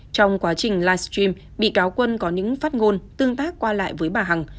trong quá trình live stream bị cáo quân có những phát ngôn tương tác qua lại với bà hằng